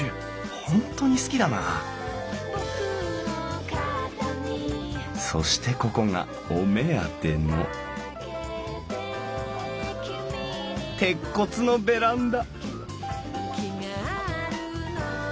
ほんとに好きだなぁそしてここがお目当ての鉄骨のベランダ！